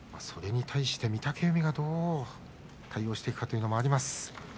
それに対して御嶽海がどう対応していくかというのもあります。